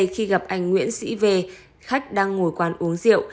khi gặp anh nguyễn sĩ v khách đang ngồi quán uống rượu